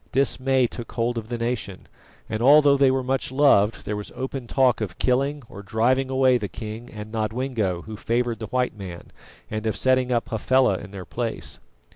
Dismay took hold of the nation, and although they were much loved, there was open talk of killing or driving away the king and Nodwengo who favoured the white man, and of setting up Hafela in their place.